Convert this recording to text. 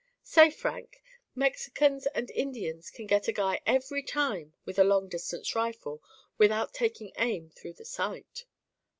'Say Frank, Mexicans and Indians can get a guy ev'ry time with a long distance rifle without taking aim through the sight.